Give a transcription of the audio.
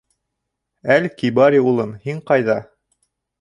— Әл-Кибари улым, һин ҡайҙа?